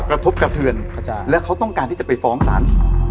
กระทบกระเทือนค่ะจ้ะแล้วเขาต้องการที่จะไปฟ้องสาร